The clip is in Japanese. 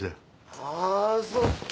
あそっか。